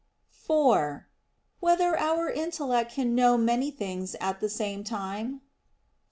(4) Whether our intellect can know many things at the same time?